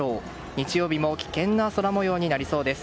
日曜日も危険な空模様になりそうです。